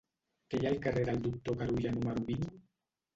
Què hi ha al carrer del Doctor Carulla número vint?